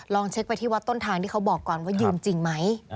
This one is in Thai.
เช็คไปที่วัดต้นทางที่เขาบอกก่อนว่ายืมจริงไหม